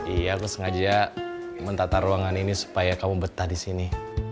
iya aku sengaja mentata ruangan ini supaya kamu betah di sini